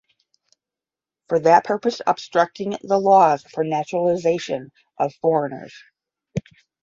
for that purpose obstructing the Laws for Naturalization of Foreigners;